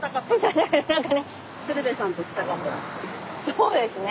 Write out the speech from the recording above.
そうですね。